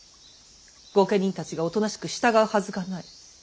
御家人たちがおとなしく従うはずがない。